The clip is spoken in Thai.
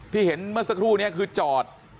เห็นเมื่อสักครู่นี้คือจอด